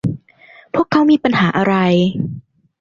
พวกเค้ามีปัญหาอะไร